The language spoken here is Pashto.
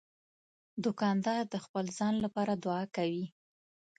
دوکاندار د خپل ځان لپاره دعا کوي.